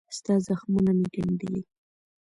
ستا زخمونه مې ګنډلي